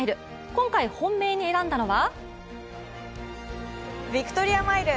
今回本命に選んだのは？